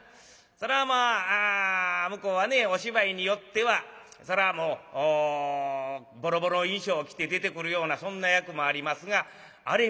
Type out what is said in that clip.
そらまあ向こうはねお芝居によってはそらもうボロボロの衣装を着て出てくるようなそんな役もありますがあれ